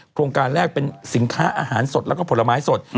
โครงการแรกเป็นสินค้าอาหารสดแล้วก็ผลไม้สด